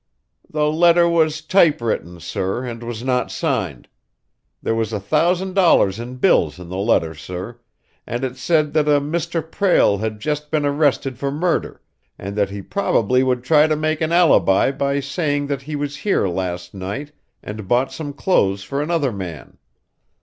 "The letter was typewritten, sir, and was not signed. There was a thousand dollars in bills in the letter, sir, and it said that a Mr. Prale had just been arrested for murder, and that he probably would try to make an alibi by saying that he was here last night and bought some clothes for another man.